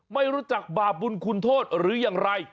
ไม่รู้จักบาปบุญคุณโทษหรืออย่างไร